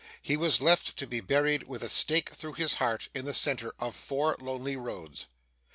He was left to be buried with a stake through his heart in the centre of four lonely roads.